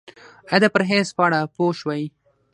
ایا د پرهیز په اړه پوه شوئ؟